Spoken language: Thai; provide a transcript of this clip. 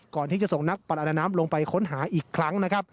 ก่อนที่จะส่งนักประดาน้ำลงไปค้นหาอีกครั้งนะครับ